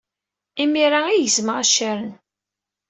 Imir-a ay gezmeɣ accaren.